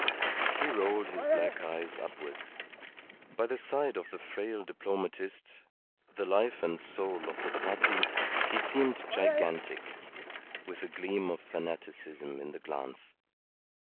He rolled his black eyes upwards. By the side of the frail diplomatist the life and soul of the party he seemed gigantic, with a gleam of fanaticism in the glance.